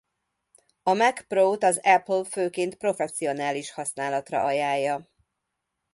A Mac Pro-t az Apple főként professzionális használatra ajánlja.